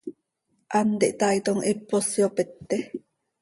Hant ihtaaitom, hipos yopete.